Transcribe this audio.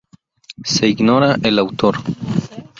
Se ignora el autor.